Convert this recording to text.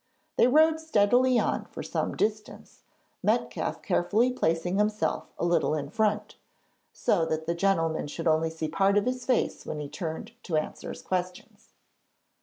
They rode steadily on for some distance, Metcalfe carefully placing himself a little in front, so that the gentleman should only see part of his face when he turned to answer his questions.